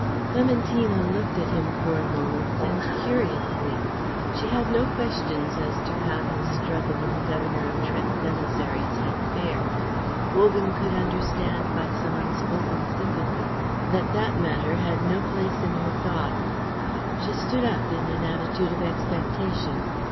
Clementina looked at him for a moment, and curiously. She had no questions as to how his struggle with the Governor of Trent's emissaries had fared. Wogan could understand by some unspoken sympathy that that matter had no place in her thoughts. She stood up in an attitude of expectation.